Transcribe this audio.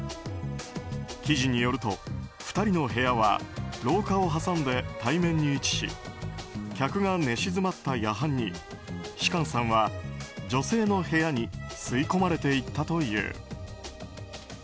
記事によると、２人の部屋は廊下を挟んで対面に位置し客が寝静まった夜半に芝翫さんは女性の部屋に吸い込まれていったという。